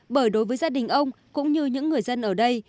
bởi đối với gia đình ông cũng như những người dân ở đây